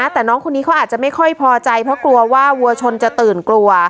แต่น้องคนนี้เขาอาจจะไม่ค่อยพอใจเพราะกลัวว่าวัวชนจะตื่นกลัว